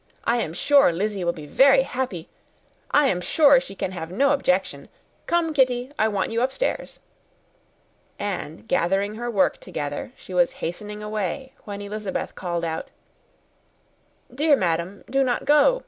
I am sure Lizzy will be very happy I am sure she can have no objection. Come, Kitty, I want you upstairs." And gathering her work together, she was hastening away, when Elizabeth called out, "Dear ma'am, do not go.